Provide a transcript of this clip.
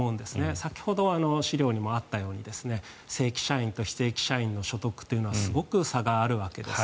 先ほど、資料にもあったように正規社員と非正規社員の所得というのはすごく差があるわけです。